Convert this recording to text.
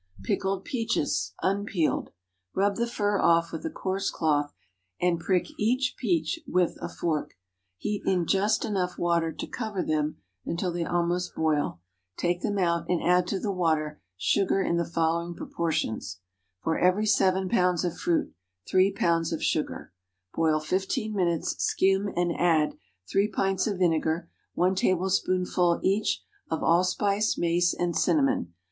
PICKLED PEACHES (unpeeled.) Rub the fur off with a coarse cloth, and prick each peach with a fork. Heat in just enough water to cover them until they almost boil; take them out, and add to the water sugar in the following proportions:— For every 7 lbs. of fruit 3 lbs. of sugar. Boil fifteen minutes; skim, and add— 3 pints of vinegar. 1 tablespoonful (each) of allspice, mace, and cinnamon.